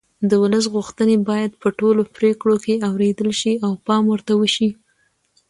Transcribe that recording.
د ولس غوښتنې باید په ټولو پرېکړو کې اورېدل شي او پام ورته وشي